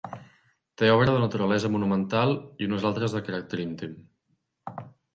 Té obra de naturalesa monumental i unes altres de caràcter íntim.